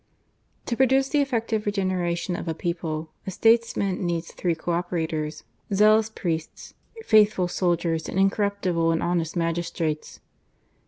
To produce the effective regeneration of a people, a statesman needs three co operators — zealous priests, faithful soldiers, and incorruptible and honest magis trates.